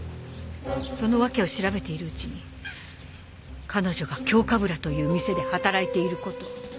その訳を調べているうちに彼女が京かぶらという店で働いていること。